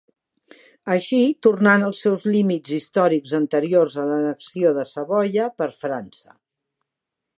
Així, tornant als seus límits històrics anteriors a l'annexió de Savoia per França.